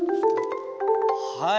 はい。